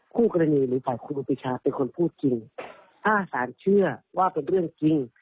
คู่กรณีหรือฝ่ายครูปีชาเป็นคนพูดจริงถ้าสารเชื่อว่าเป็นเรื่องจริง